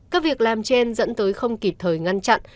các việc làm trên dẫn tới không kịp thời ngăn chặn